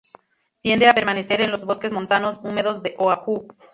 Tiende a permanecer en los bosques montanos húmedos de Oahu.